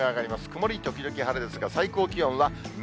曇り時々晴れですが、最高気温は２０度。